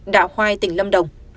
đạo hoai tỉnh lâm đồng